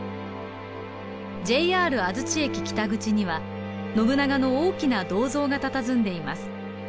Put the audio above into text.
ＪＲ安土駅北口には信長の大きな銅像がたたずんでいます。